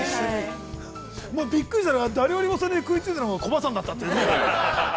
◆びっくりしたのが、誰よりもそれに食いついたのが、コバさんだったというね。